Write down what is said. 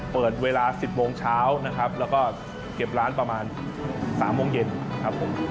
เปิดเวลา๑๐โมงเช้านะครับแล้วก็เก็บร้านประมาณ๓โมงเย็นครับผม